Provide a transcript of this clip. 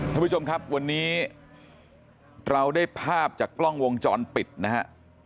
ท่านผู้ชมครับวันนี้เราได้ภาพจากกล้องวงจรปิดนะฮะ